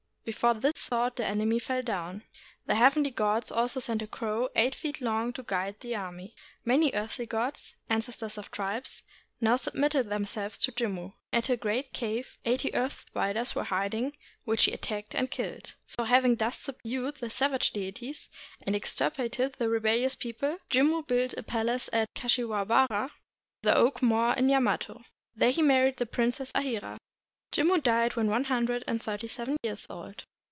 Be fore this sword the enemy fell down. The heavenly gods also sent a crow eight feet long to guide the army. Many earthly gods, ancestors of tribes, now submitted them selves to Jimmu. At a great cave eighty earth spiders were hiding, which he attacked and killed. So, having thus subdued the savage deities, and extirpated the re bellious people, Jimmu built a palace at Kashiwabara, the oak moor in Yamato. There he married the princess Ahira. Jimmu died when one hundred and thirty seven years old.